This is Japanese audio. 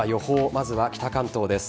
まずは北関東です。